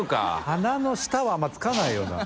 鼻の下はあんま付かないよな。